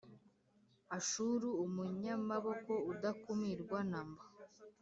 Ashuru, umunyamaboko udakumirwa na mba